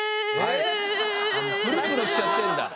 プルプルしちゃってんだ。